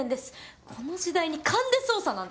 この時代に勘で捜査なんて。